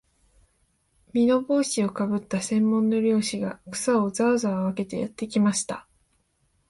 簔帽子をかぶった専門の猟師が、草をざわざわ分けてやってきました